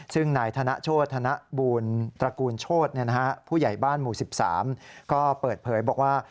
ซึ่งนายธนโชธนบูลตระกูลโชธผู้ใหญ่บ้านหมู่๑๓ก็เปิดเผยบอกว่า